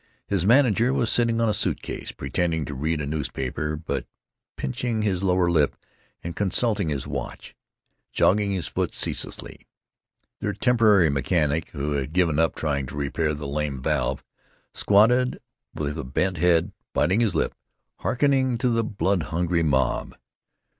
His manager was sitting on a suit case, pretending to read a newspaper, but pinching his lower lip and consulting his watch, jogging his foot ceaselessly. Their temporary mechanic, who had given up trying to repair the lame valve, squatted with bent head, biting his lip, harkening to the blood hungry mob.